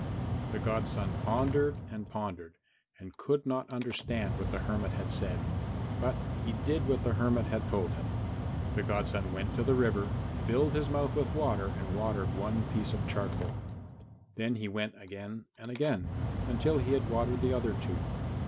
The godson pondered and pondered and could not understand what the hermit had said, but he did what the hermit had told him. X The godson went to the river, filled his mouth with water and watered one piece of charcoal; then he went again and again, until he had watered the other two.